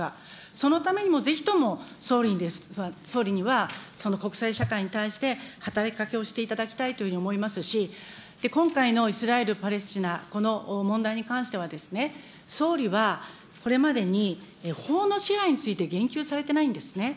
そのためにもぜひとも総理にはその国際社会に対して働きかけをしていただきたいというふうに思いますし、今回のイスラエル・パレスチナ、この問題に関しては、総理はこれまでに法の支配について言及されてないんですね。